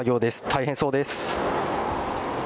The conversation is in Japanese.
大変そうです。